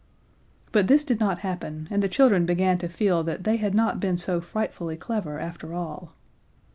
But this did not happen, and the children began to feel that they had not been so frightfully clever after all.